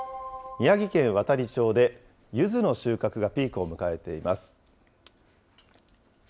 宮城県亘理町で、ゆずの収穫がピークを迎えています。